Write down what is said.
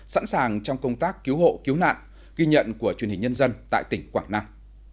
sẵn sàng trong công tác cứu hộ cứu nạn ghi nhận của truyền hình nhân dân tại tỉnh quảng nam